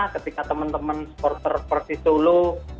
ketika teman teman supporter persis solo